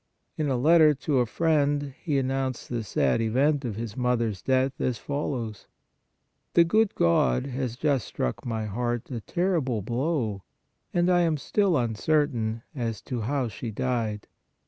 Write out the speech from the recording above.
In a letter to a friend he announced the sad event of his mother s death as follows :" The good God has just struck my heart a terrible blow ... and I am still uncertain (as to how she died).